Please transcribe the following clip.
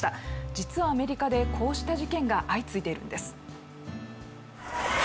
実はアメリカでこうした事件が相次いでいるんです。